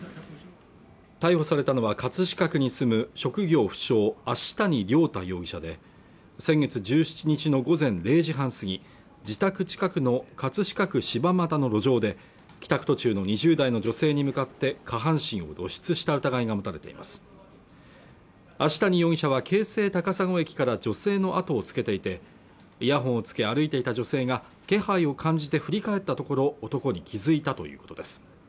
逮捕されたのは葛飾区に住む職業不詳芦谷綾太容疑者で先月１７日の午前０時半過ぎ自宅近くの葛飾区柴又の路上で帰宅途中の２０代の女性に向かって下半身を露出した疑いが持たれています芦谷容疑者は京成高砂駅から女性のあとをつけていてイヤホンを着け歩いていた女性が気配を感じて振り返ったところ男に気づいたということです